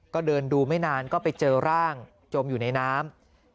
ก็เดินดูไม่นานก็ไปเจอร่างจมอยู่ในน้ำ